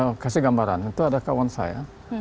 saya kasih gambaran itu ada kawan saya